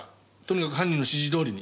とにかく犯人の指示通りに。